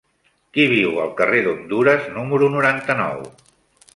Qui viu al carrer d'Hondures número noranta-nou?